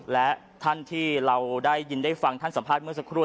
และท่านที่เราได้ยินได้ฟังท่านสัมภาษณ์เมื่อสักครู่